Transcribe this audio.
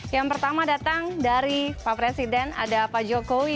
yang pertama datang dari pak presiden ada pak jokowi